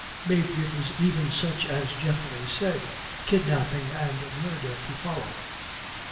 Maybe it was even such as Geoffrey said, kidnapping and murder to follow.